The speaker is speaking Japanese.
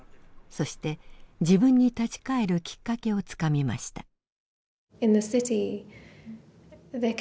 そして自分に立ち帰るきっかけをつかみました。